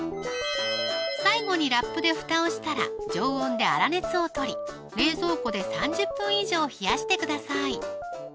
最後にラップでふたをしたら常温で粗熱を取り冷蔵庫で３０分以上冷やしてください